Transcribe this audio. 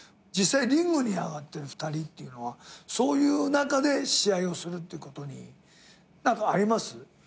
実際リングに上がってる２人っていうのはそういう中で試合をするってことに何かあります？